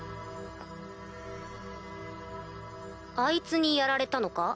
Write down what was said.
あいつにやられたのか？